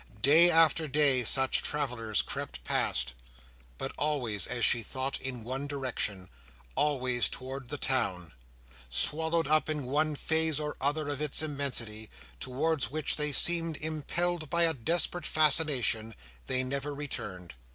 Day after day, such travellers crept past, but always, as she thought, in one direction—always towards the town. Swallowed up in one phase or other of its immensity, towards which they seemed impelled by a desperate fascination, they never returned.